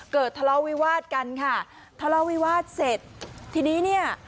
ทะเลาะวิวาสกันค่ะทะเลาวิวาสเสร็จทีนี้เนี่ย